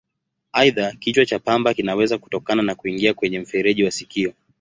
Aidha, kichwa cha pamba kinaweza kutoka na kuingia kwenye mfereji wa sikio.